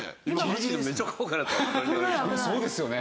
そうですよね。